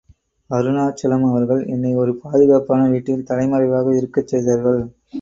அருணாசலம் அவர்கள் என்னை ஒரு பாதுகாப்பான வீட்டில் தலைமறைவாக இருக்கச் செய்தார்கள்.